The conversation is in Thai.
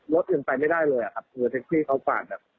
รถอื่นไปไม่ได้เลยครับเหลือเซ็กซี่เขาปาด